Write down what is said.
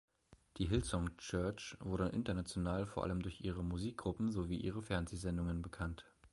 Die Hillsong Church wurde international vor allem durch ihre Musikgruppen sowie ihre Fernsehsendungen bekannt.